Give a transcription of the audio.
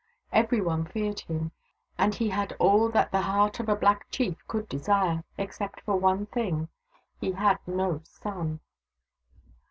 Every one feared him, and he had all that the heart of a black chief could desire, except for one thing. He had no son.